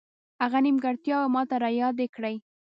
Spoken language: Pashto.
هغه نیمګړتیاوې ماته را یادې کړې.